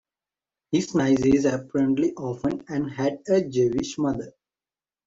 His niece is apparently orphaned and had a Jewish mother.